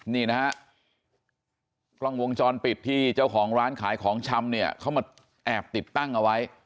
นี่นะฮะกล้องวงจรปิดที่เจ้าของร้านขายของชำเนี่ยเขามาแอบติดตั้งเอาไว้